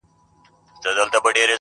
اشنا!!..